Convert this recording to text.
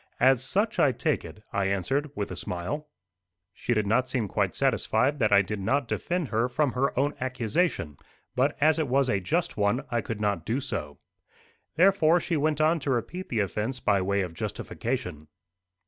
"As such I take it," I answered with a smile. She did not seem quite satisfied that I did not defend her from her own accusation; but as it was a just one, I could not do so. Therefore she went on to repeat the offence by way of justification.